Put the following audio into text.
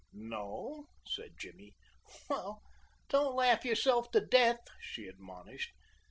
"No," said Jimmy. "Well, don't laugh yourself to death," she admonished.